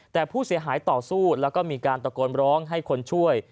แต่ผู้เสียหายต่อสู้แล้วก็มีการตะโกนร้องให้คนช่วย